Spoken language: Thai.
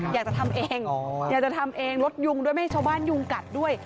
อยากจะทำเองอยากจะทำเองลดยุงด้วยไม่ให้ชาวบ้านยุงกัดด้วย